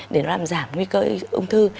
để nó làm giảm nguy cơ ung thư